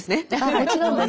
もちろんです。